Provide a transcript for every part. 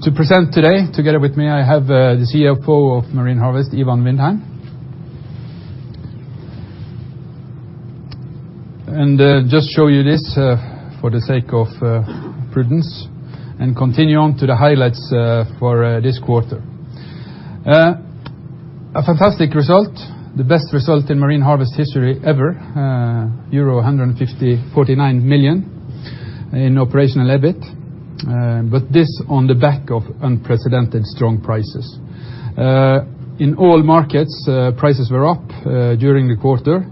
To present today, together with me, I have the CFO of Marine Harvest, Ivan Vindheim. Just show you this for the sake of prudence and continue on to the highlights for this quarter. A fantastic result. The best result in Marine Harvest history ever, euro 149 million in operational EBIT. This on the back of unprecedented strong prices. In all markets, prices were up during the quarter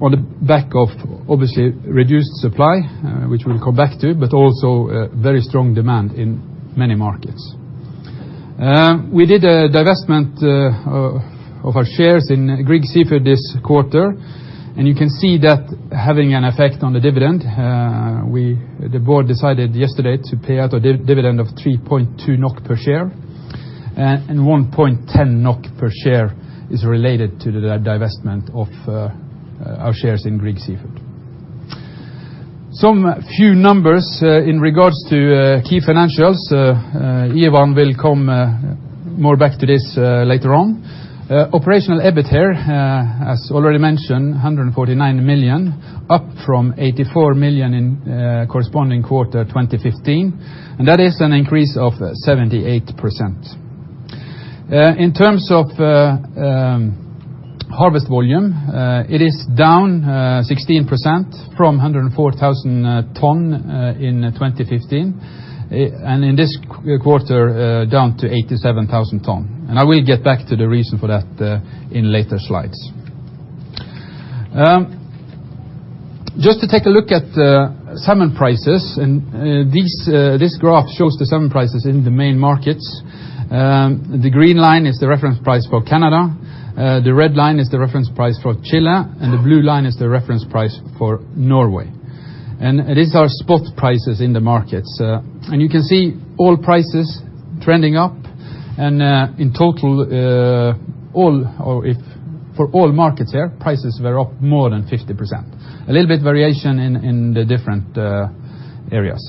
on the back of obviously reduced supply, which we'll come back to, but also very strong demand in many markets. We did a divestment of our shares in Grieg Seafood this quarter, you can see that having an effect on the dividend. The board decided yesterday to pay out a dividend of 3.2 NOK per share, 1.10 NOK per share is related to the divestment of our shares in Grieg Seafood. Some few numbers in regards to key financials. Ivan will come more back to this later on. Operational EBIT here, as already mentioned, 149 million up from 84 million in corresponding quarter 2015. That is an increase of 78%. In terms of harvest volume, it is down 16% from 104,000 tons in 2015 in this quarter down to 87,000 tons. I will get back to the reason for that in later slides. Just to take a look at salmon prices, this graph shows the salmon prices in the main markets. The green line is the reference price for Canada, the red line is the reference price for Chile, and the blue line is the reference price for Norway. These are spot prices in the markets. You can see all prices trending up in total, for all markets here, prices were up more than 50%. A little bit variation in the different areas.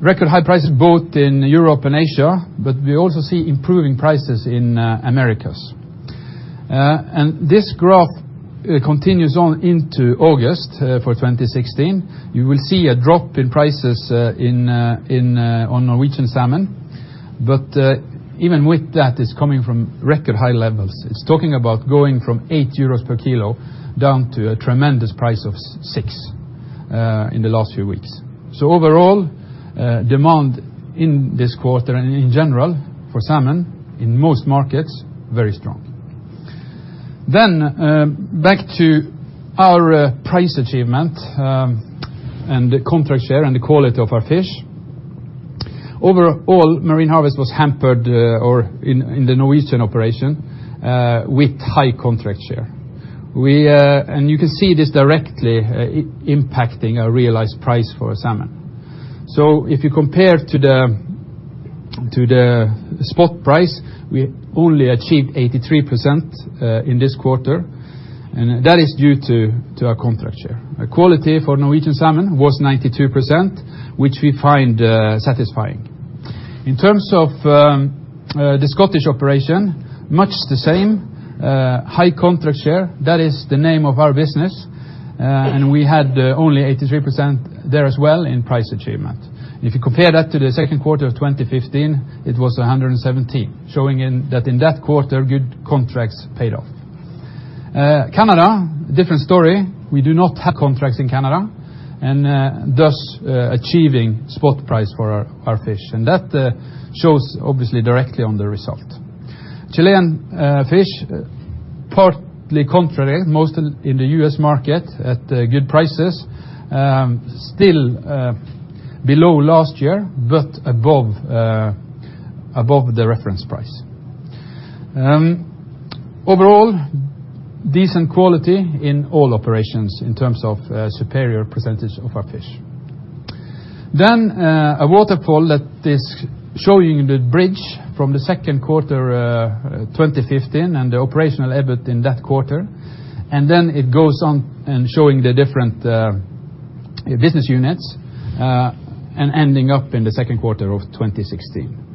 Record high prices both in Europe and Asia, but we also see improving prices in Americas. This graph continues on into August for 2016. You will see a drop in prices on Norwegian salmon. Even with that, it's coming from record high levels. It's talking about going from 8 euros per kilo down to a tremendous price of 6 in the last few weeks. Overall, demand in this quarter and in general for salmon in most markets, very strong. Back to our price achievement and the contract share and the quality of our fish. Overall, Marine Harvest was hampered or in the Norwegian operation, with high contract share. You can see this directly impacting our realized price for salmon. If you compare to the spot price, we only achieved 83% in this quarter, and that is due to our contract share. The quality for Norwegian salmon was 92%, which we find satisfying. In terms of the Scottish operation, much the same, high contract share, that is the name of our business, and we had only 83% there as well in price achievement. If you compare that to the second quarter of 2015, it was 117%, showing that in that quarter, good contracts paid off. Canada, different story. We do not have contracts in Canada and thus achieving spot price for our fish. That shows obviously directly on the result. Chilean fish, partly contrary, most in the U.S. market at good prices, still below last year but above the reference price. Overall, decent quality in all operations in terms of superior percentage of our fish. A waterfall that is showing the bridge from the second quarter 2015 and the operational EBIT in that quarter. It goes on in showing the different business units and ending up in the second quarter of 2016.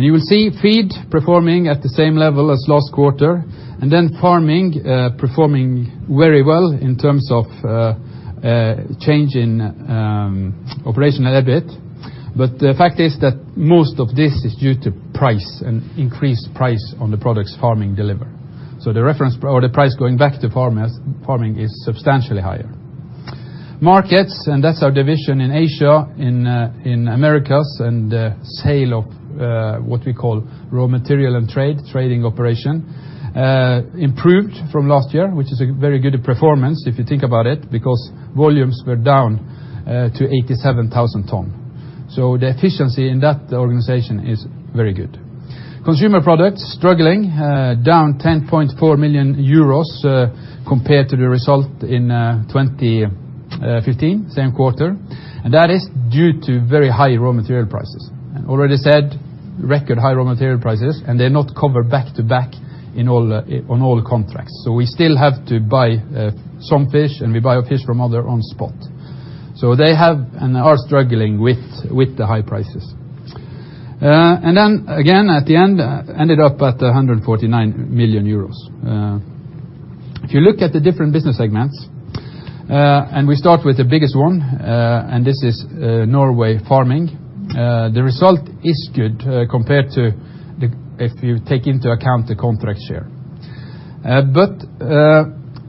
You will see feed performing at the same level as last quarter, and then farming performing very well in terms of change in operational EBIT. The fact is that most of this is due to price and increased price on the products farming deliver. The reference or the price going back to farming is substantially higher. Markets, and that's our division in Asia, in Americas and the sale of what we call raw material and trade, trading operation, improved from last year, which is a very good performance if you think about it, because volumes were down to 87,000 tons. The efficiency in that organization is very good. Consumer products struggling, down 10.4 million euros compared to the result in 2015, same quarter. That is due to very high raw material prices. Record high raw material prices and they're not covered back-to-back on all contracts. We still have to buy some fish, and we buy our fish from other on spot. They have and are struggling with the high prices. Then again, at the end, ended up at 149 million euros. If you look at the different business segments, and we start with the biggest one, and this is Norway farming. The result is good compared to if you take into account the contract share.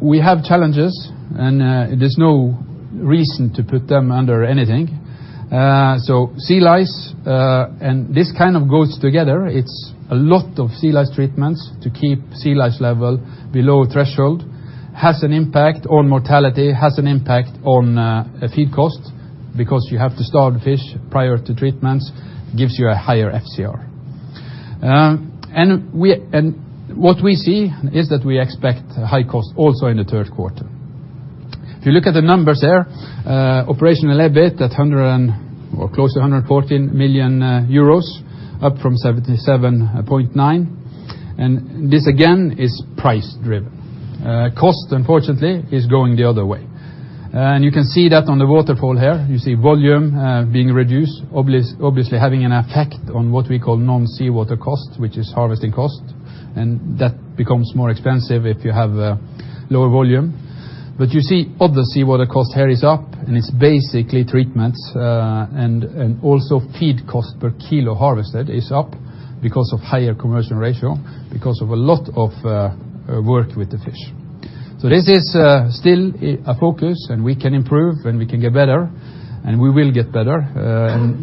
We have challenges, and there's no reason to put them under anything. Sea lice, and this kind of goes together, it's a lot of sea lice treatments to keep sea lice level below threshold, has an impact on mortality, has an impact on feed cost because you have to starve the fish prior to treatments, gives you a higher FCR. What we see is that we expect high costs also in the third quarter. If you look at the numbers there, operational EBIT at close to 114 million euros, up from 77.9 million. This again is price-driven. Cost, unfortunately, is going the other way. You can see that on the waterfall here. You see volume being reduced, obviously, having an effect on what we call non-seawater cost, which is harvesting cost, and that becomes more expensive if you have lower volume. You see all the seawater cost here is up, and it's basically treatments, and also feed cost per kilo harvested is up because of higher conversion ratio because of a lot of work with the fish. This is still a focus, and we can improve, and we can get better, and we will get better.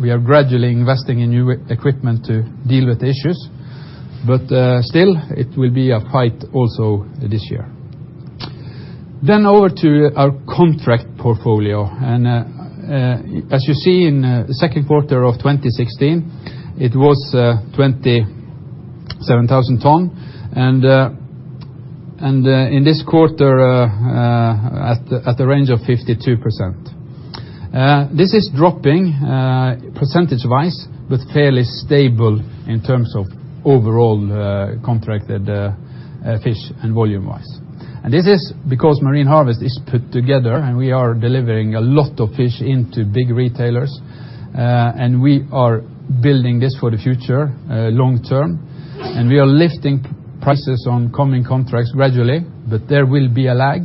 We are gradually investing in new equipment to deal with the issues. Still, it will be a fight also this year. Over to our contract portfolio. As you see in the second quarter of 2016, it was 27,000 ton and in this quarter at the range of 52%. This is dropping percentage-wise, but fairly stable in terms of overall contracted fish and volume-wise. This is because Marine Harvest is put together and we are delivering a lot of fish into big retailers, and we are building this for the future long term, and we are lifting prices on coming contracts gradually, but there will be a lag.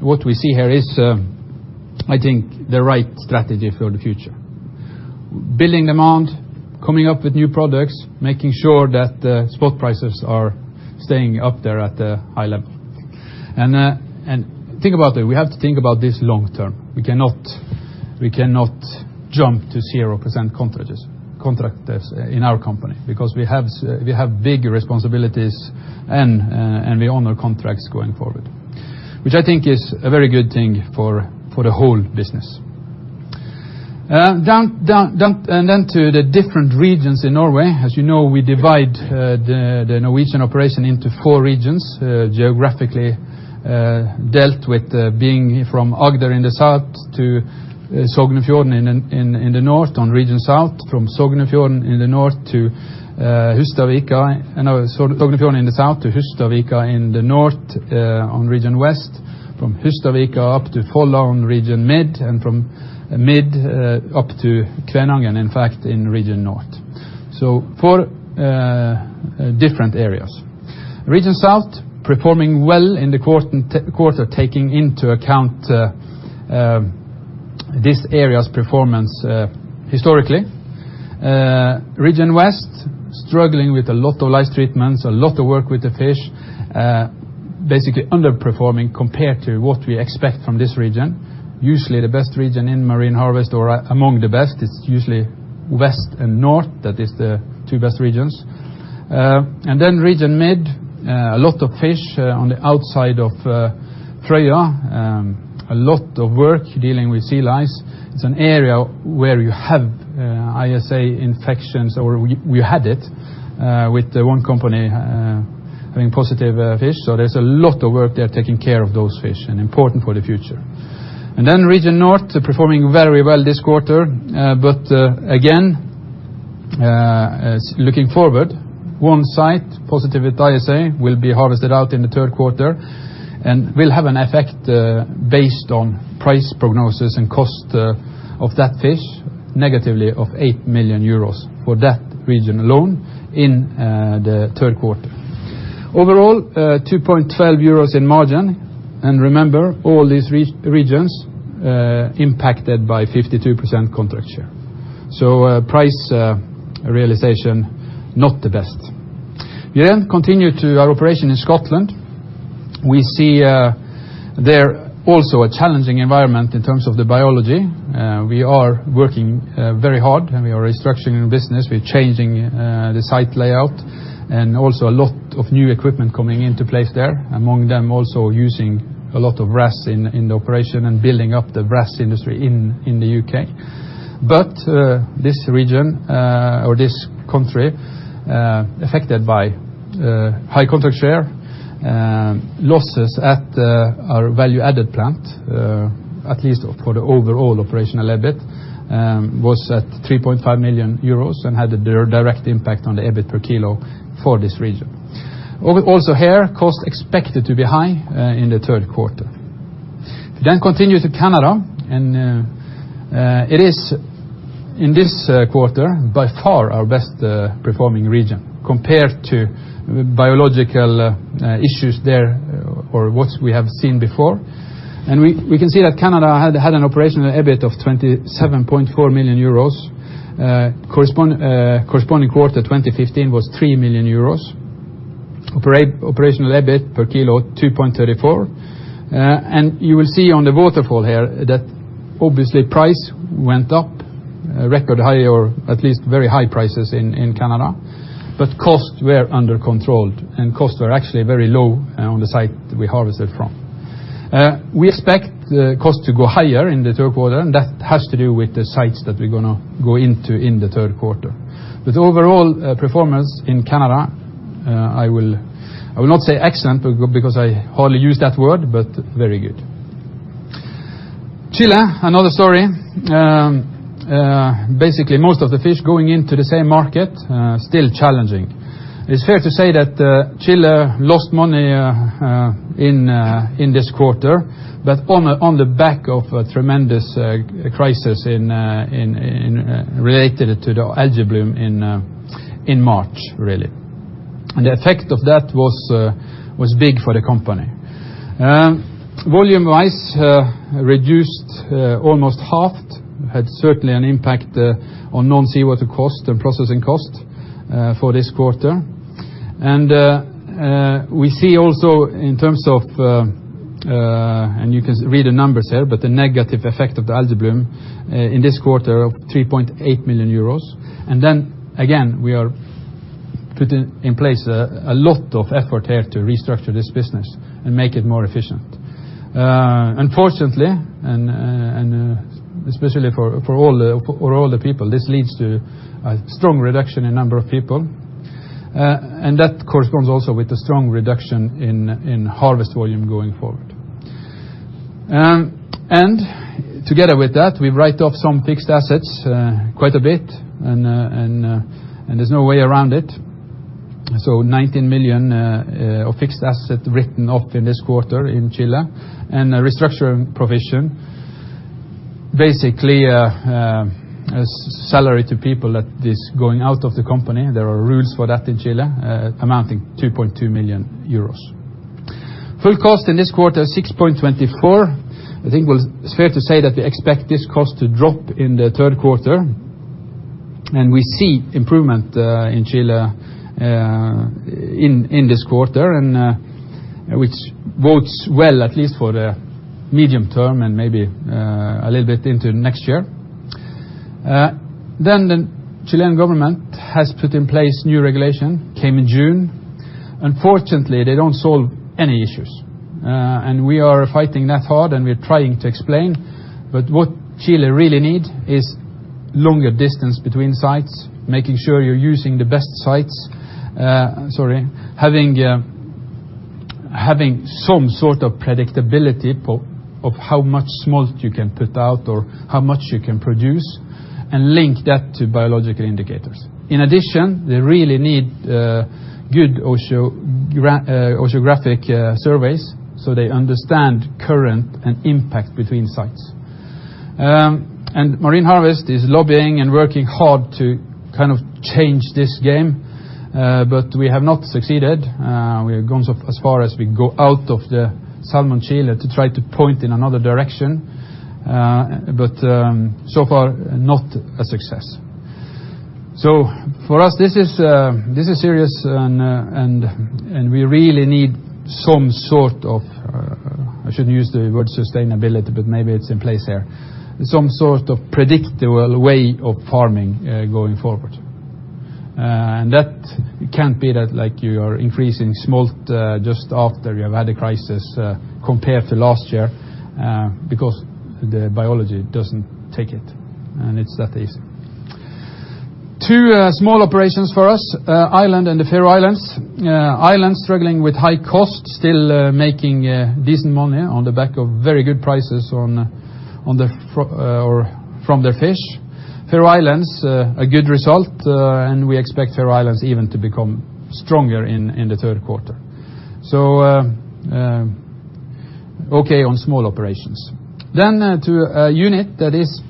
What we see here is, I think, the right strategy for the future. Building demand, coming up with new products, making sure that the spot prices are staying up there at the high level. Think about it. We have to think about this long term. We cannot jump to 0% contractors in our company because we have big responsibilities and we honor contracts going forward, which I think is a very good thing for the whole business. To the different regions in Norway. As you know, we divide the Norwegian operation into four regions, geographically dealt with being from Agder in the south to Sogn og Fjordane in the north on region south, from Sogn og Fjordane in the south to Hustadvika in the north on region west, from Hustadvika up to Folla on region mid, and from mid up to Kvenangen, in fact, in region north. Four different areas. Region south, performing well in the quarter, taking into account this area's performance historically. Region west, struggling with a lot of lice treatments, a lot of work with the fish, basically underperforming compared to what we expect from this region. Usually the best region in Marine Harvest or among the best, it's usually west and north that is the two best regions. Region mid, a lot of fish on the outside of Frøya. A lot of work dealing with sea lice. It's an area where you have ISA infections, or we had it with one company having positive fish. There's a lot of work there taking care of those fish and important for the future. Region north performing very well this quarter. Again, looking forward, one site positive with ISA will be harvested out in the third quarter and will have an effect based on price prognosis and cost of that fish negatively of 8 million euros for that region alone in the third quarter. Overall, 2.12 euros in margin. Remember, all these regions impacted by 52% contract share. Price realization, not the best. We continue to our operation in Scotland. We see there also a challenging environment in terms of the biology. We are working very hard and we are restructuring the business. We're changing the site layout and also a lot of new equipment coming into place there, among them also using a lot of wrasse in the operation and building up the wrasse industry in the U.K. This region, or this country, affected by high contract share. Losses at our value-added plant, at least for the overall operational EBIT, was at 3.5 million euros and had a direct impact on the EBIT per kilo for this region. Also here, cost expected to be high in the third quarter. Continue to Canada, it is, in this quarter, by far our best-performing region compared to biological issues there or what we have seen before. We can see that Canada had an operational EBIT of 27.4 million euros. Corresponding quarter 2015 was 3 million euros. Operational EBIT per kilo 2.34. You will see on the waterfall here that obviously price went up, record high or at least very high prices in Canada. Costs were under control and costs were actually very low on the site we harvested from. We expect the cost to go higher in the third quarter, and that has to do with the sites that we're going to go into in the third quarter. Overall, performance in Canada, I will not say excellent because I hardly use that word, but very good. Chile, another story. Basically, most of the fish going into the same market, still challenging. It's fair to say that Chile lost money in this quarter, but on the back of a tremendous crisis related to the algal bloom in March, really. The effect of that was big for the company. Volume-wise, reduced almost half. Had certainly an impact on non-seawater cost and processing cost for this quarter. We see also in terms of And you can read the numbers here, but the negative effect of the algal bloom in this quarter of 3.8 million euros. We are putting in place a lot of effort there to restructure this business and make it more efficient. Unfortunately, and especially for all the people, this leads to a strong reduction in number of people. That corresponds also with a strong reduction in harvest volume going forward. Together with that, we write off some fixed assets quite a bit, and there's no way around it. 19 million of fixed assets written off in this quarter in Chile, and a restructuring provision. Basically, a salary to people that is going out of the company, there are rules for that in Chile, amounting 2.2 million euros. Full cost in this quarter, 6.24. I think it's fair to say that we expect this cost to drop in the third quarter. We see improvement in Chile in this quarter, and which bodes well at least for the medium term and maybe a little bit into next year. The Chilean government has put in place new regulation, came in June. Unfortunately, they don't solve any issues. We are fighting that hard, and we're trying to explain. What Chile really need is longer distance between sites, making sure you're using the best sites. Sorry. Having some sort of predictability of how much smolt you can put out or how much you can produce, and link that to biological indicators. They really need good oceanographic surveys, so they understand current and impact between sites. Marine Harvest is lobbying and working hard to kind of change this game, but we have not succeeded. We have gone as far as we can go out of the SalmonChile to try to point in another direction, but so far, not a success. For us, this is serious, and we really need some sort of I shouldn't use the word sustainability, but maybe it's in place here. Some sort of predictable way of farming going forward. That it can't be that you are increasing smolt just after you've had a crisis compared to last year, because the biology doesn't take it, and it's that easy. Two small operations for us, Ireland and the Faroe Islands. Ireland's struggling with high cost, still making decent money on the back of very good prices from the fish. Faroe Islands, a good result. We expect Faroe Islands even to become stronger in the third quarter. Okay on small operations. To a unit that is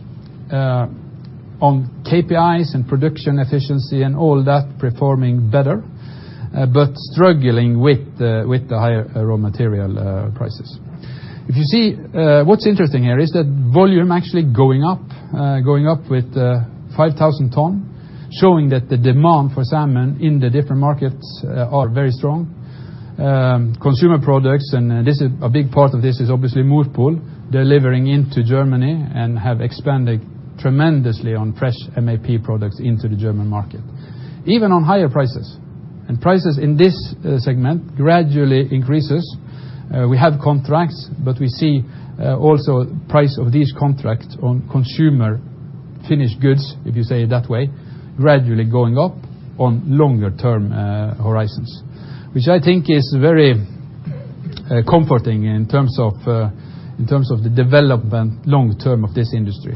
on KPIs and production efficiency and all that performing better, but struggling with the higher raw material prices. If you see, what's interesting here is that volume actually going up with 5,000 tons, showing that the demand for salmon in the different markets are very strong. Consumer products. A big part of this is obviously Mowi delivering into Germany and have expanded tremendously on fresh MAP products into the German market, even on higher prices. Prices in this segment gradually increases. We have contracts, but we see also price of these contracts on consumer finished goods, if you say it that way, gradually going up on longer-term horizons, which I think is very comforting in terms of the development long term of this industry.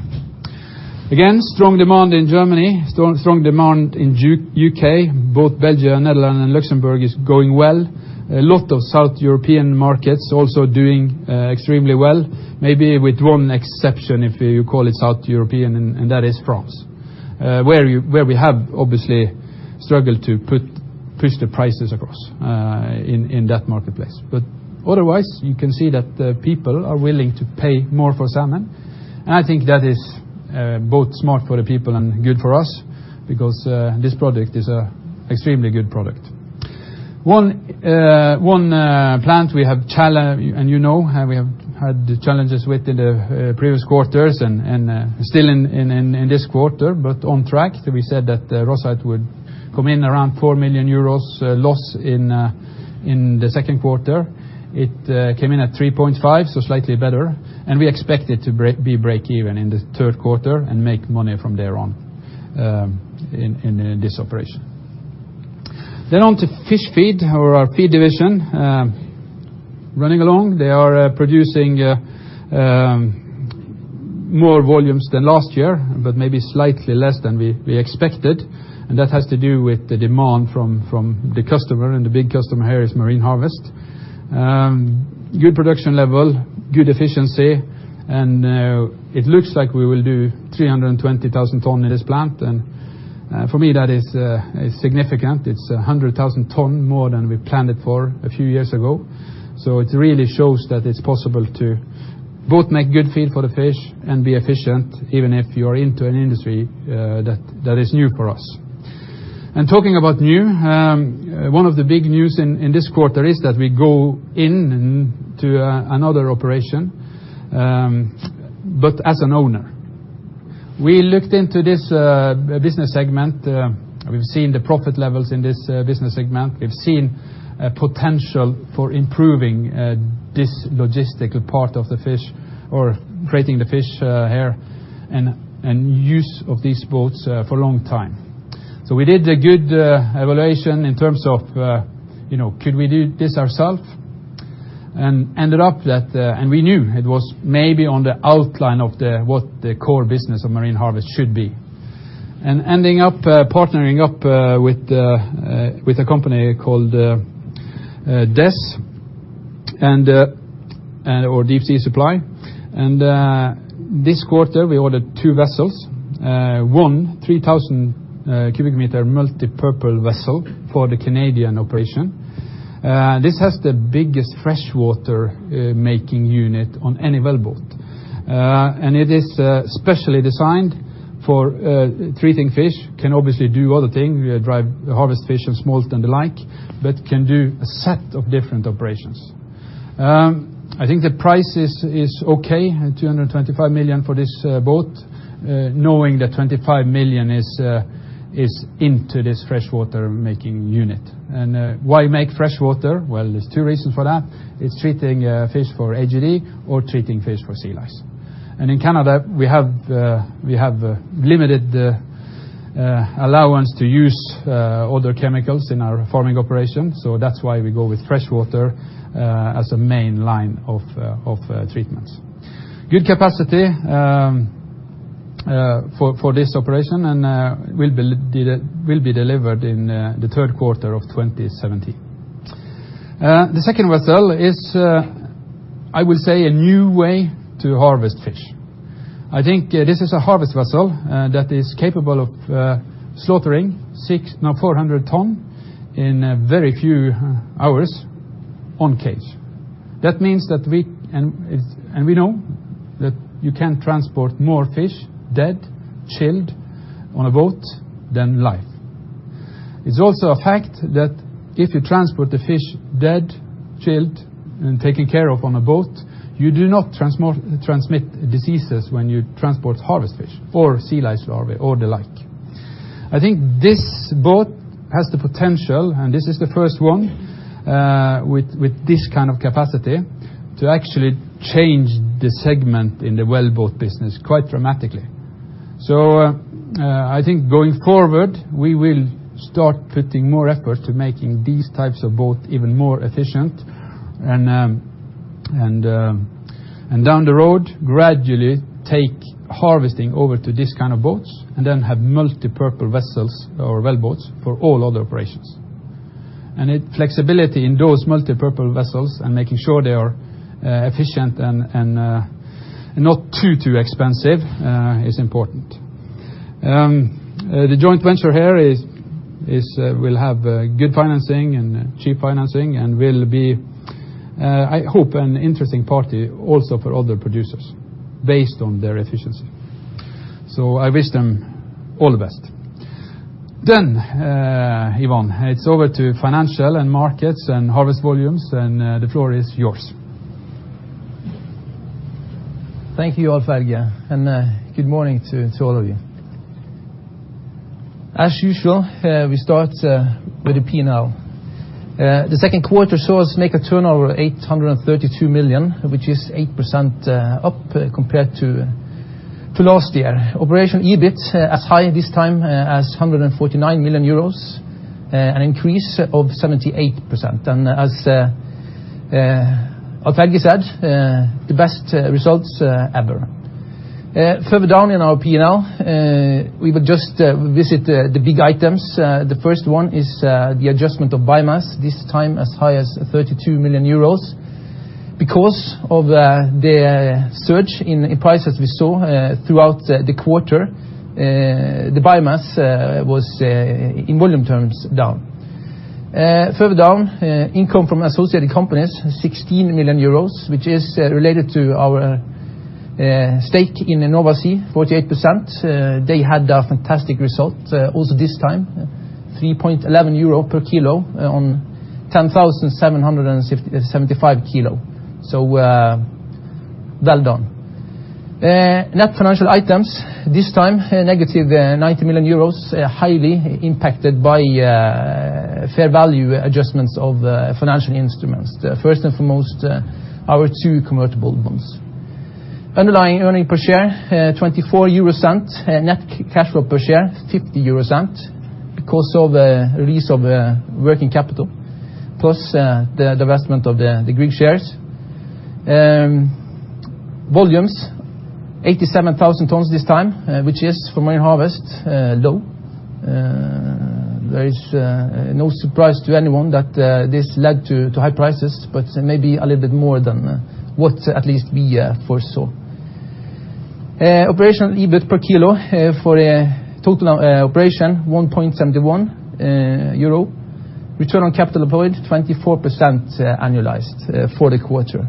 Again, strong demand in Germany, strong demand in U.K. Both Belgium, Netherlands, and Luxembourg is going well. A lot of south European markets also doing extremely well. Maybe with one exception, if you call it south European, and that is France, where we have obviously struggled to push the prices across in that marketplace. Otherwise, you can see that the people are willing to pay more for salmon, and I think that is both smart for the people and good for us because this product is an extremely good product. One plant we have challenge, and you know how we have had the challenges with the previous quarters and still in this quarter. On track, we said that the Rosyth would come in around 4 million euros loss in the second quarter. It came in at 3.5 million, so slightly better, and we expect it to be break-even in the third quarter and make money from there on in this operation. On to fish feed, our feed division. Running along, they are producing more volumes than last year, but maybe slightly less than we expected, and that has to do with the demand from the customer, and the big customer here is Marine Harvest. Good production level, good efficiency, and it looks like we will do 320,000 tons in this plant, and for me, that is significant. It's 100,000 tons more than we planned it for a few years ago. It really shows that it's possible to both make good feed for the fish and be efficient, even if you are into an industry that is new for us. Talking about new, one of the big news in this quarter is that we go into another operation, but as an owner. We looked into this business segment. We've seen the profit levels in this business segment. We've seen a potential for improving this logistical part of the fish or creating the fish here and use of these boats for a long time. We did a good evaluation in terms of could we do this ourselves? We knew it was maybe on the outline of what the core business of Marine Harvest should be. Ending up partnering up with a company called DES or DESS. This quarter, we ordered two vessels. One 3,000 cubic meter multipurpose vessel for the Canadian operation. This has the biggest freshwater making unit on any well boat. It is specially designed for treating fish, can obviously do other things, drive the harvest fish and smolts and the like, but can do a set of different operations. I think the price is okay at 225 million for this boat, knowing that 25 million is into this freshwater making unit. Why make freshwater? Well, there's two reasons for that. It's treating fish for AGD or treating fish for sea lice. In Canada, we have a limited allowance to use other chemicals in our farming operation, that's why we go with freshwater as a main line of treatments. Good capacity for this operation will be delivered in the third quarter of 2017. The second vessel is, I would say, a new way to harvest fish. I think this is a harvest vessel that is capable of slaughtering 600 tons in very few hours on cage. That means that we know that you can transport more fish dead, chilled on a boat than live. It is also a fact that if you transport the fish dead, chilled and taken care of on a boat, you do not transmit diseases when you transport harvest fish or sea lice or the like. I think this boat has the potential, and this is the first one with this kind of capacity to actually change the segment in the well boat business quite dramatically. I think going forward, we will start putting more effort to making these types of boat even more efficient and down the road, gradually take harvesting over to this kind of boats and then have multipurpose vessels or well boats for all other operations. The flexibility in those multipurpose vessels and making sure they are efficient and not too expensive is important. The joint venture here will have good financing and cheap financing and will be, I hope, an interesting party also for other producers based on their efficiency. I wish them all the best. Ivan, it's over to financial and markets and harvest volumes, and the floor is yours. Thank you all. Good morning to all of you. As usual, we start with the P&L. The second quarter saw us make a turnover of 832 million, which is 8% up compared to last year. Operational EBIT, as high this time as 149 million euros, an increase of 78%. As Helge said, the best results ever. Further down in our P&L, we will just visit the big items. The first one is the adjustment of biomass, this time as high as 32 million euros. Because of the surge in prices we saw throughout the quarter, the biomass was, in volume terms, down. Further down, income from associated companies, 16 million euros, which is related to our stake in Nova Sea, 48%. They had a fantastic result, also this time. 3.11 euro per kilo on 10,775 kilo. Well done. Net financial items this time, negative 90 million euros, highly impacted by fair value adjustments of financial instruments. First and foremost, our two convertible bonds. Underlying earnings per share, 0.24. Net cash flow per share, 0.50, because of a release of working capital, plus the divestment of the Grieg shares. Volumes, 87,000 tons this time, which is for Marine Harvest, low. There is no surprise to anyone that this led to high prices, but maybe a little bit more than what at least we foresaw. Operational EBIT per kilo for total operation, 1.71 euro. Return on capital employed, 24% annualized for the quarter.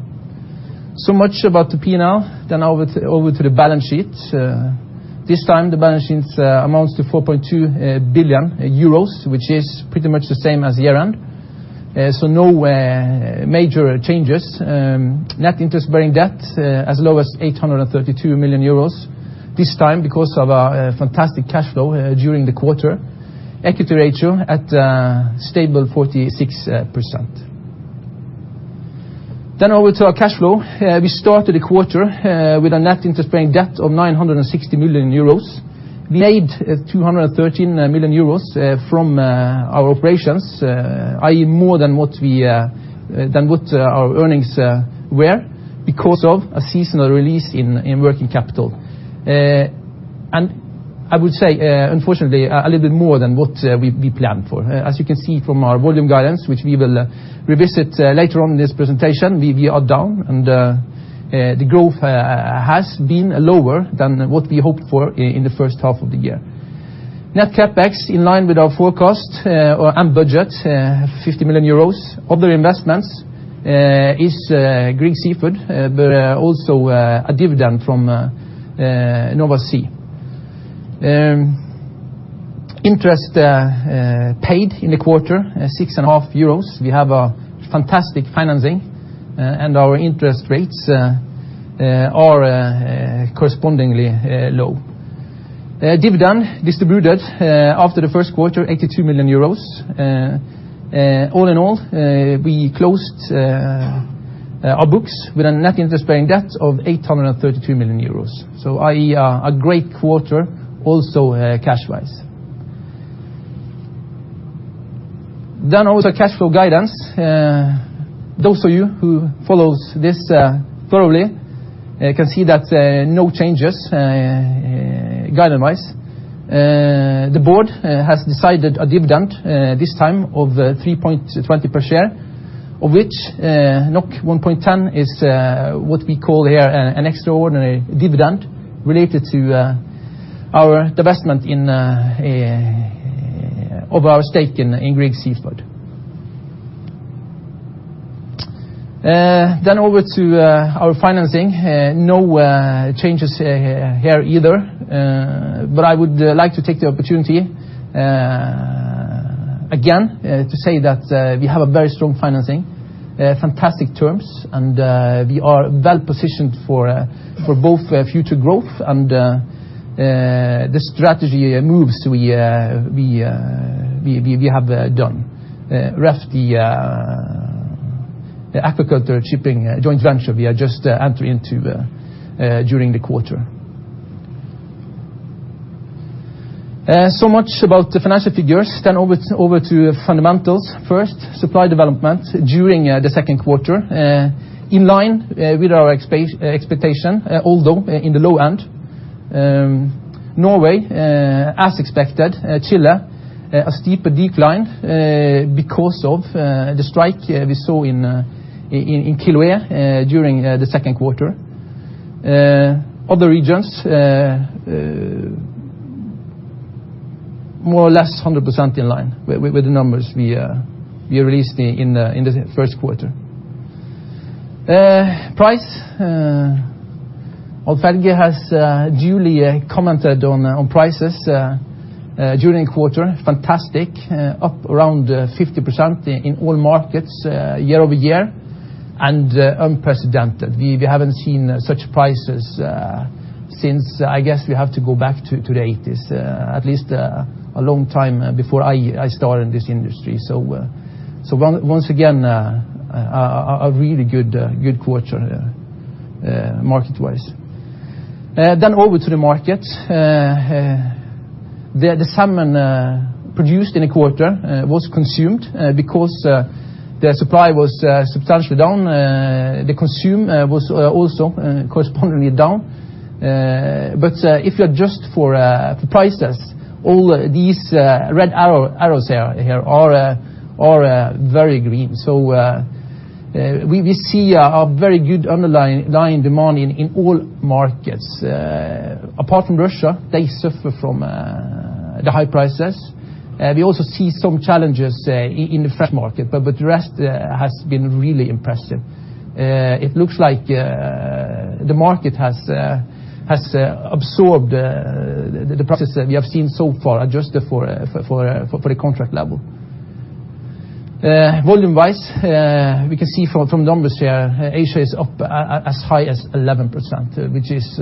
Much about the P&L. Over to the balance sheet. This time, the balance sheet amounts to 4.2 billion euros, which is pretty much the same as year-end. No major changes. Net interest-bearing debt, as low as 832 million euros, this time because of a fantastic cash flow during the quarter. Equity ratio at a stable 46%. Over to our cash flow. We started the quarter with a net interest-bearing debt of 960 million euros, made 213 million euros from our operations, i.e., more than what our earnings were because of a seasonal release in working capital. I would say, unfortunately, a little bit more than what we planned for. As you can see from our volume guidance, which we will revisit later on in this presentation, we are down, and the growth has been lower than what we hoped for in the first half of the year. Net CapEx, in line with our forecast and budget, 50 million euros. Other investments is Grieg Seafood, but also a dividend from Nova Sea. Interest paid in the quarter, 6.5 euros. We have a fantastic financing, and our interest rates are correspondingly low. Dividend distributed after the first quarter, 82 million euros. All in all, we closed our books with a net interest-bearing debt of 832 million euros. I.e., a great quarter also cash-wise. Over to cash flow guidance. Those of you who follow this thoroughly can see that no changes guidance-wise. The board has decided a dividend this time of 3.20 per share, of which 1.10 is what we call here an extraordinary dividend related to our divestment of our stake in Grieg Seafood. Over to our financing. No changes here either. I would like to take the opportunity again to say that we have a very strong financing, fantastic terms, and we are well-positioned for both future growth and the strategy moves we have done. DESS, the aquaculture shipping joint venture we are just entering into during the quarter. Much about the financial figures. Over to fundamentals. Supply development during the second quarter, in line with our expectation, although in the low end. Norway, as expected. Chile, a steeper decline because of the strike we saw in Quellón during the second quarter. Other regions, more or less 100% in line with the numbers we released in the first quarter. Price. Helge has duly commented on prices during the quarter. Fantastic. Up around 50% in all markets year-over-year. Unprecedented. We haven't seen such prices since, I guess you have to go back to the '80s, at least a long time before I started in this industry. Once again, a really good quarter market-wise. Over to the market. The salmon produced in a quarter was consumed because the supply was substantially down. The consume was also correspondingly down. If you adjust for prices, all these red arrows here are very green. We see a very good underlying demand in all markets. Apart from Russia, they suffer from the high prices. We also see some challenges in the fresh market, but the rest has been really impressive. It looks like the market has absorbed the prices that we have seen so far, adjusted for the contract level. Volume-wise, we can see from the numbers here, Asia is up as high as 11%, which is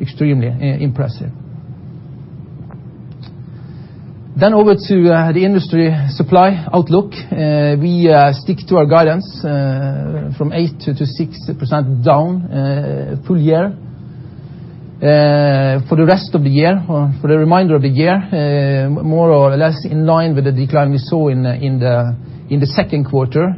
extremely impressive. Over to the industry supply outlook. We stick to our guidance from 8% to 6% down full year. For the rest of the year, for the remainder of the year, more or less in line with the decline we saw in the second quarter,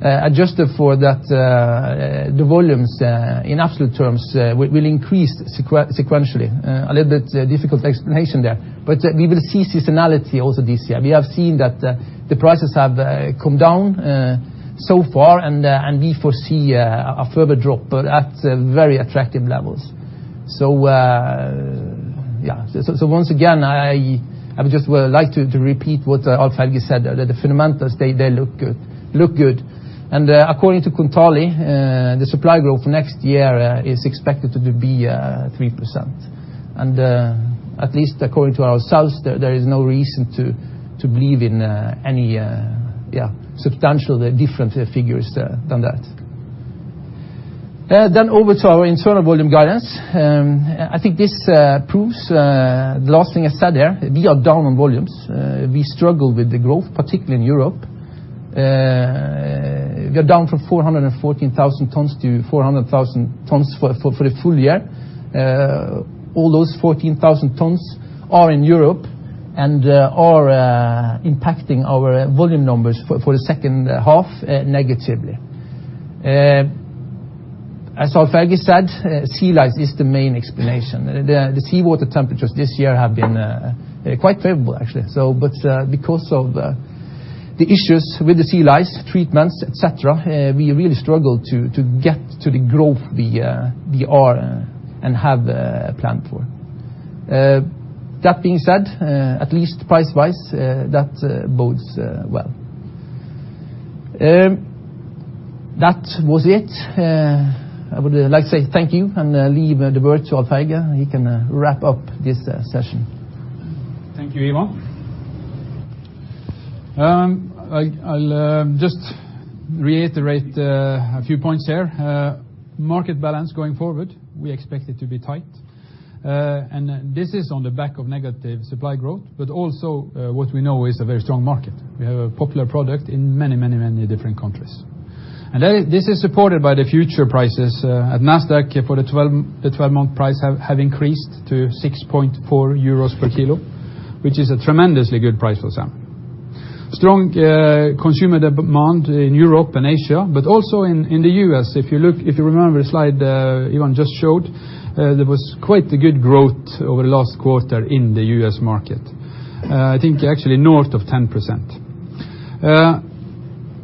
adjusted for the volumes in absolute terms will increase sequentially. A little bit difficult explanation there, but we will see seasonality also this year. We have seen that the prices have come down so far, and we foresee a further drop, but at very attractive levels. Yeah. Once again, I would just like to repeat what Alf-Helge said, that the fundamentals, they look good. According to Kontali, the supply growth next year is expected to be 3%. At least according to ourselves, there is no reason to believe in any substantial different figures than that. Over to our internal volume guidance. I think this proves the last thing I said there. We are down on volumes. We struggle with the growth, particularly in Europe. We are down from 414,000 tons to 400,000 tons for the full year. All those 14,000 tons are in Europe and are impacting our volume numbers for the second half negatively. As Alf-Helge said, sea lice is the main explanation. The seawater temperatures this year have been quite favorable, actually. Because of the issues with the sea lice treatments, et cetera, we really struggle to get to the growth we are and have planned for. That being said, at least price-wise, that bodes well. That was it. I would like to say thank you and leave the word to Alf-Helge. He can wrap up this session. Thank you, Ivan. I'll just reiterate a few points here. Market balance going forward, we expect it to be tight. This is on the back of negative supply growth, but also what we know is a very strong market. We have a popular product in many different countries. This is supported by the future prices at Nasdaq, for the 12-month price have increased to 6.4 euros per kilo, which is a tremendously good price for the salmon. Strong consumer demand in Europe and Asia, but also in the U.S. If you remember the slide Ivan just showed, there was quite a good growth over the last quarter in the U.S. market. I think actually north of 10%.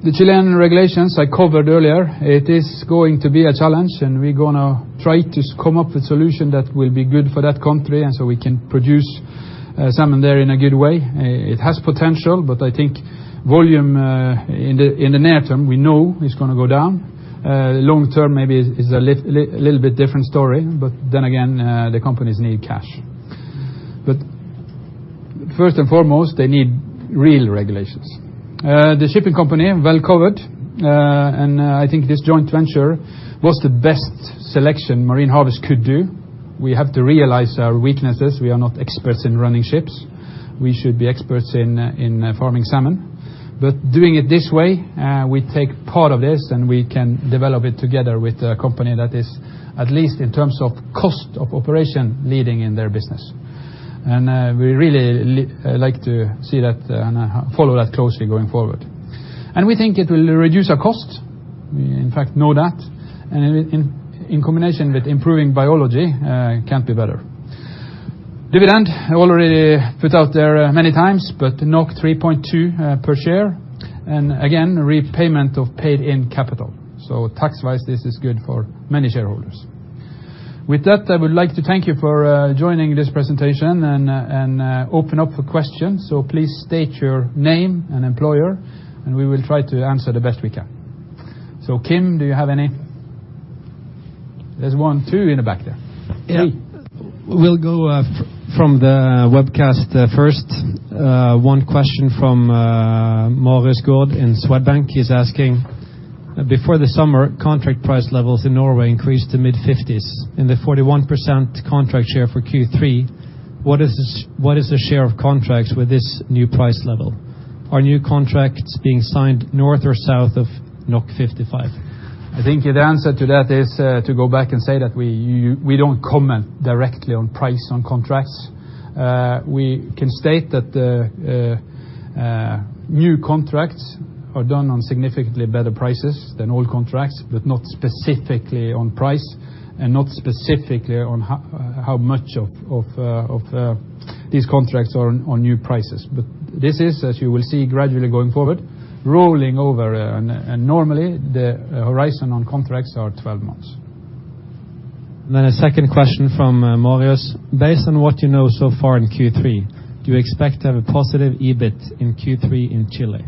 The Chilean regulations I covered earlier, it is going to be a challenge and we're going to try to come up with a solution that will be good for that country, so we can produce salmon there in a good way. It has potential, I think volume in the near term, we know is going to go down. Long term, maybe is a little bit different story, then again, the companies need cash. First and foremost, they need real regulations. The shipping company, well covered. I think this joint venture was the best selection Marine Harvest could do. We have to realize our weaknesses. We are not experts in running ships. We should be experts in farming salmon. Doing it this way, we take part of this and we can develop it together with a company that is, at least in terms of cost of operation, leading in their business. We really like to see that and follow that closely going forward. We think it will reduce our costs. We, in fact, know that. In combination with improving biology, can't be better. Dividend, I already put out there many times, but 3.2 per share. Again, repayment of paid-in capital. Tax-wise, this is good for many shareholders. With that, I would like to thank you for joining this presentation and open up for questions. Please state your name and employer, and we will try to answer the best we can. Kim, do you have any? There's one, too, in the back there. Yeah. We'll go from the webcast first. One question from Marius Gaard in Swedbank. He's asking, "Before the summer, contract price levels in Norway increased to NOK mid-50s. In the 41% contract share for Q3, what is the share of contracts with this new price level? Are new contracts being signed north or south of 55? I think the answer to that is to go back and say that we don't comment directly on price on contracts. We can state that the new contracts are done on significantly better prices than old contracts, but not specifically on price and not specifically on how much of these contracts are on new prices. This is, as you will see gradually going forward, rolling over, and normally the horizon on contracts are 12 months. A second question from Marius: "Based on what you know so far in Q3, do you expect to have a positive EBIT in Q3 in Chile?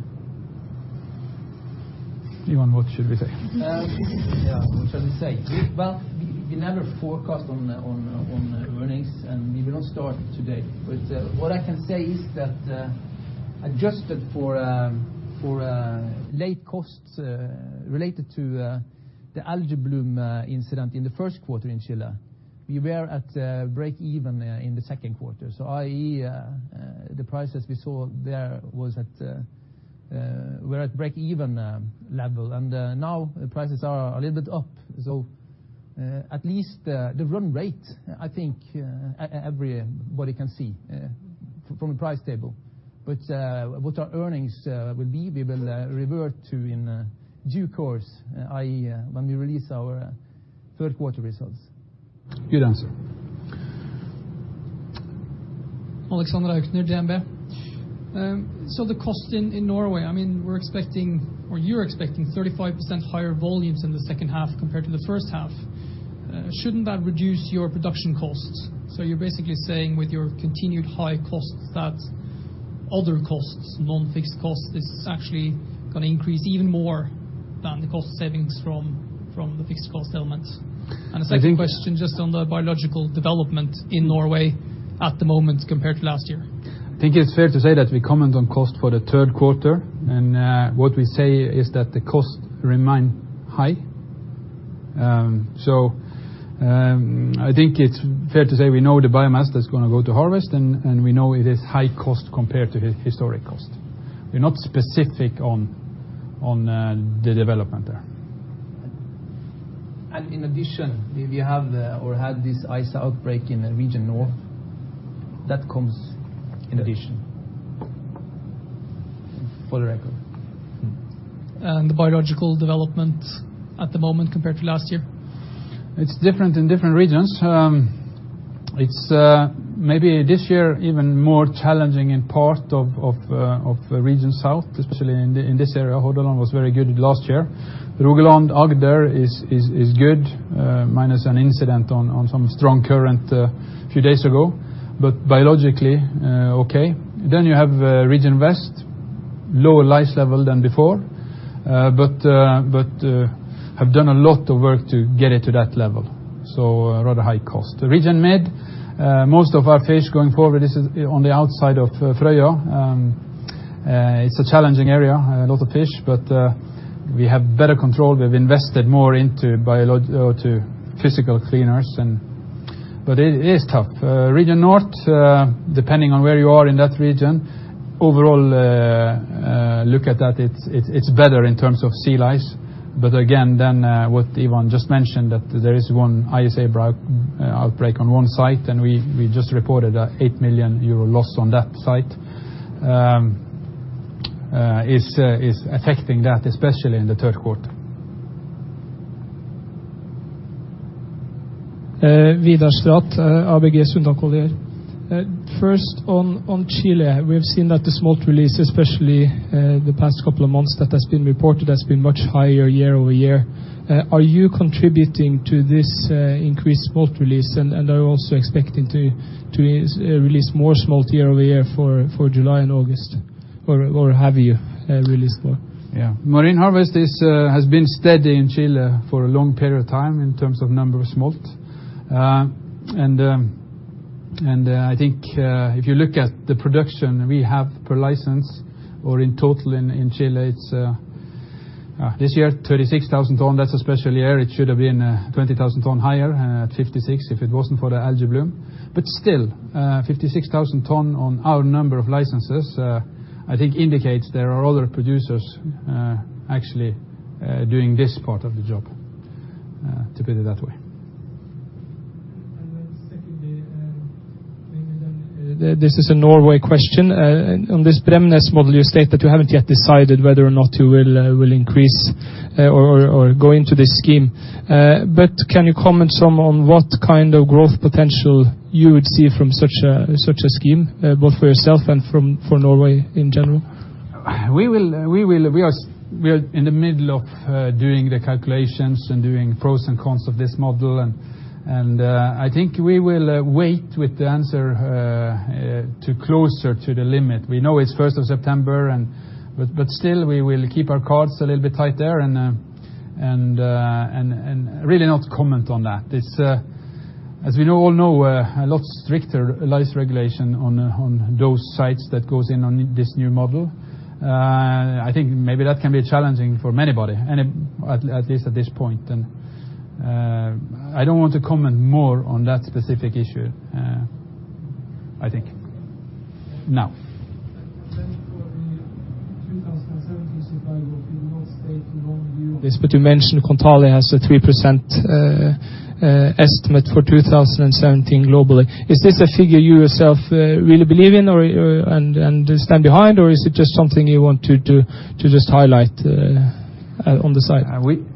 Ivan, what should we say? Yeah. What should we say? Well, we never forecast on earnings, and we will not start today. What I can say is that, adjusted for late costs related to the algal bloom incident in the first quarter in Chile, we were at break even in the second quarter. I.e., the prices we saw there were at break-even level, and now the prices are a little up. At least the run rate, I think everybody can see from the price table. What our earnings will be, we will revert to in due course, i.e., when we release our third-quarter results. Good answer. [Oleksandr Knyp'e]. The cost in Norway, you're expecting 35% higher volumes in the second half compared to the first half. Shouldn't that reduce your production costs? You're basically saying with your continued high costs, that other costs, non-fixed costs, this is actually going to increase even more than the cost savings from the fixed cost elements. I think- A second question just on the biological development in Norway at the moment compared to last year. I think it's fair to say that we comment on cost for the third quarter, and what we say is that the costs remain high. I think it's fair to say we know the biomass that's going to go to harvest, and we know it is high cost compared to the historic cost. We're not specific on the development there. In addition, we have or had this ISA outbreak in Region North. That comes in addition, for the record. The biological development at the moment compared to last year? It's different in different regions. It's maybe this year even more challenging in part of the Region South, especially in this area. Hordaland was very good last year. Rogaland, Agder is good, minus an incident on some strong current a few days ago. Biologically, okay. You have Region West, lower sea lice level than before, but have done a lot of work to get it to that level, so rather high cost. The Region Mid, most of our fish going forward is on the outside of Frøya. It's a challenging area, a lot of fish, but we have better control. We've invested more into biological or physical cleaners. It is tough. Region North, depending on where you are in that region, overall look at that, it's better in terms of sea lice. What Ivan just mentioned, that there is one ISA outbreak on one site, and we just reported an 8 million euro loss on that site. It's affecting that, especially in the third quarter. Vidar Strat, ABG Sundal Collier. First on Chile, we've seen that the smolt release, especially the past couple of months that has been reported, has been much higher year-over-year. Are you contributing to this increased smolt release and are also expecting to release more smolt year-over-year for July and August? Or have you released more? Yeah. Marine Harvest has been steady in Chile for a long period of time in terms of number of smolt. I think if you look at the production we have per license or in total in Chile, it's this year 36,000 tons. That's a special year. It should have been 20,000 tons higher, 56,000 tons if it wasn't for the algal bloom. Still, 56,000 tons on our number of licenses I think indicates there are other producers actually doing this part of the job, to put it that way. Secondly, this is a Norway question. On this Bremnes model, you state that you haven't yet decided whether or not you will increase or go into this scheme. Can you comment some on what kind of growth potential you would see from such a scheme, both for yourself and for Norway in general? We are in the middle of doing the calculations and doing pros and cons of this model. I think we will wait with the answer to closer to the limit. We know it's first of September. Still, we will keep our cards a little bit tight there and really not comment on that. It's, as we all know, a lot stricter license regulation on those sites that goes in on this new model. I think maybe that can be challenging for anybody, and at least at this point. I don't want to comment more on that specific issue. For the 2017 supply, you will not state your own view. You mentioned Kontali has a 3% estimate for 2017 globally. Is this a figure you yourself really believe in and stand behind, or is it just something you want to just highlight on the side? We will comment-- or it's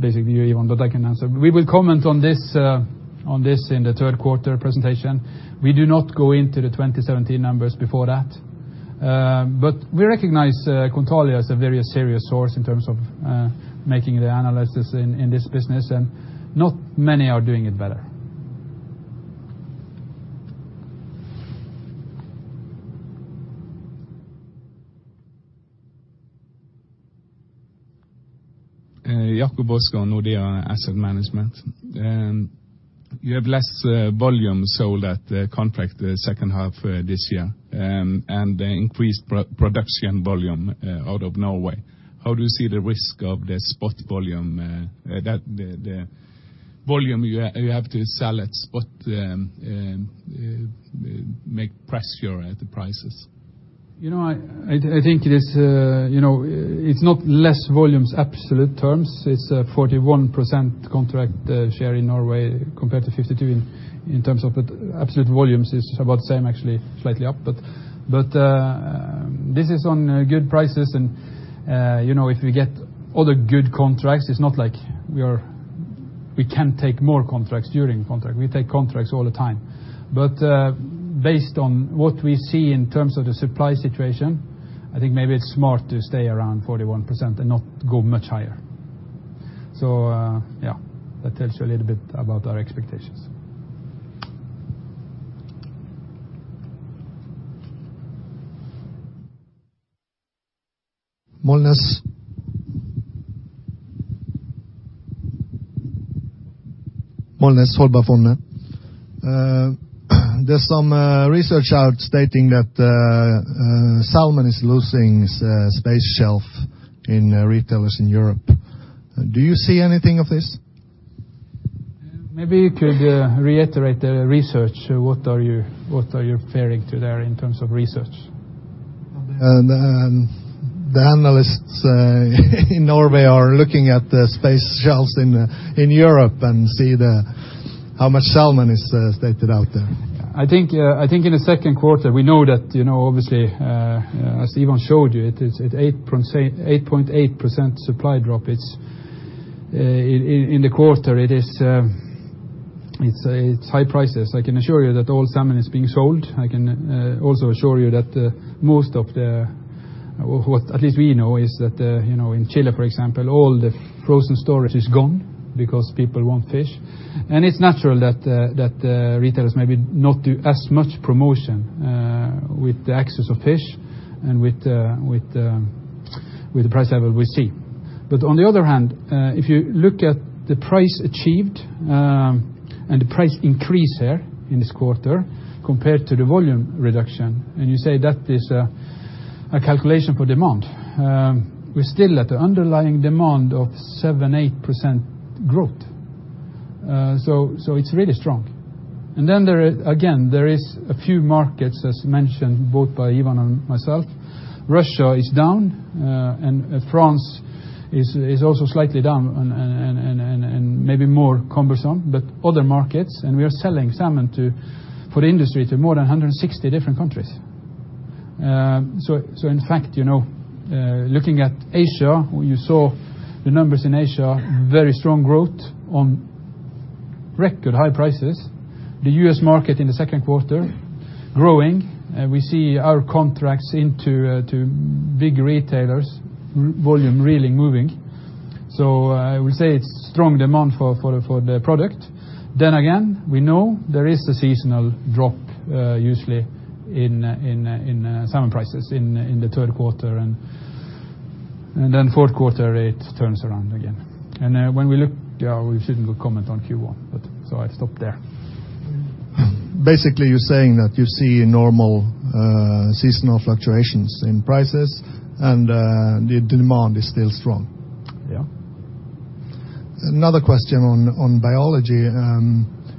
basically you, Ivan, but I can answer. We will comment on this in the third quarter presentation. We do not go into the 2017 numbers before that. We recognize Kontali as a very serious source in terms of making the analysis in this business, and not many are doing it better. You have less volume sold at contract the second half this year and increased production volume out of Norway. How do you see the risk of the spot volume, the volume you have to sell at spot make pressure at the prices? I think it's not less volumes absolute terms. It's a 41% contract share in Norway compared to 52% in terms of the absolute volumes it's about the same actually, slightly up. This is on good prices and if we get other good contracts, it's not like we can't take more contracts during contract. We take contracts all the time. Based on what we see in terms of the supply situation, I think maybe it's smart to stay around 41% and not go much higher. Yeah, that tells you a little bit about our expectations. [Molnes, Holba Forme]. There's some research out stating that salmon is losing space shelf in retailers in Europe. Do you see anything of this? Maybe you could reiterate the research. What are you referring to there in terms of research? The analysts in Norway are looking at the store shelves in Europe and see how much salmon is stocked out there. I think in the second quarter, we know that, obviously, as Ivan showed you, it is at 8.8% supply drop. It's in the quarter, it's high prices. I can assure you that all salmon is being sold. I can also assure you that most of the, what at least we know, is that in Chile, for example, all the frozen storage is gone because people want fish. It's natural that retailers maybe not do as much promotion with the access of fish and with the price level we see. On the other hand, if you look at the price achieved, and the price increase there in this quarter compared to the volume reduction, and you say that is a calculation for demand. We're still at the underlying demand of 7%, 8% growth. It's really strong. Then there again, there is a few markets as mentioned both by Ivan and myself. Russia is down, and France is also slightly down and maybe more cumbersome. Other markets, and we are selling salmon for the industry to more than 160 different countries. In fact, looking at Asia, you saw the numbers in Asia, very strong growth on record high prices. The U.S. market in the second quarter growing. We see our contracts into big retailers, volume really moving. I would say it's strong demand for the product. Again, we know there is a seasonal drop usually in salmon prices in the third quarter and then fourth quarter it turns around again. When we look, we shouldn't go comment on Q1, so I stop there. Basically, you're saying that you see normal seasonal fluctuations in prices and the demand is still strong. Yeah. Another question on biology.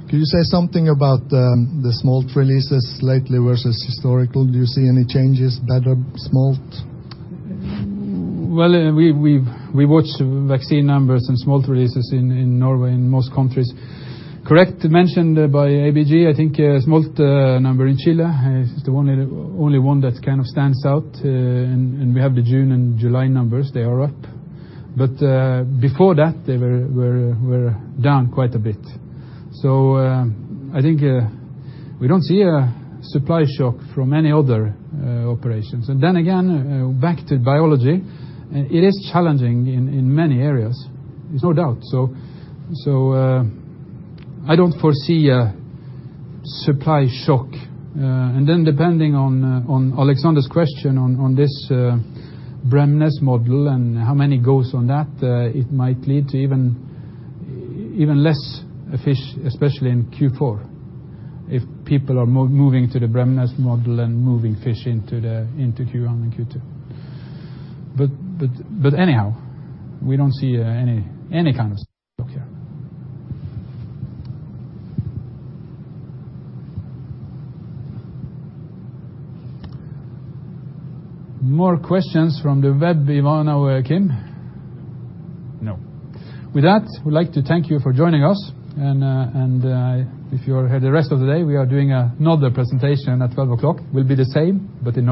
Could you say something about the smolt releases lately versus historical? Do you see any changes, better smolt? Well, we watch vaccine numbers and smolt releases in Norway and most countries. Correct, mentioned by ABG, I think smolt number in Chile is the only one that kind of stands out, and we have the June and July numbers, they are up. Before that they were down quite a bit. I think we don't see a supply shock from any other operations. Again, back to biology, it is challenging in many areas, there's no doubt. I don't foresee a supply shock. Depending on Alexander's question on this Bremnes model and how many goes on that, it might lead to even less fish, especially in Q4, if people are moving to the Bremnes model and moving fish into Q1 and Q2. Anyhow, we don't see any kind of shock here. More questions from the web, Ivan or Kim? No. With that, we'd like to thank you for joining us. If you're here the rest of the day, we are doing another presentation at 12:00 P.M. It will be the same.